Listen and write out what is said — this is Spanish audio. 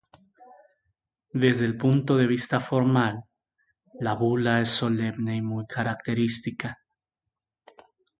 Desde un punto de vista formal, la bula es solemne y muy característica.